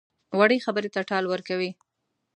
وړې خبرې ته ټال ورکوي.